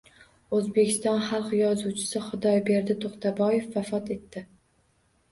O‘zbekiston xalq yozuvchisi Xudoyberdi To‘xtaboyev vafot etdi